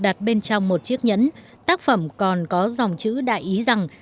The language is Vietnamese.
đặt bên trong một chiếc nhẫn tác phẩm còn có dòng chữ đại ý rằng